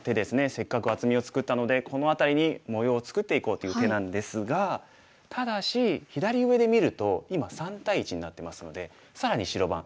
せっかく厚みを作ったのでこの辺りに模様を作っていこうという手なんですがただし左上で見ると今３対１になってますので更に白番。